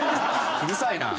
うるさいな！